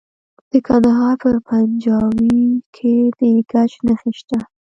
د کندهار په پنجوايي کې د ګچ نښې شته.